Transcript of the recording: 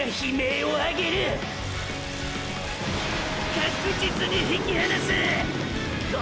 確実に引き離すゥ！！